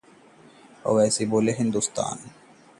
ओवैसी बोले- आज के गोडसे खत्म कर रहे हैं गांधी का हिंदुस्तान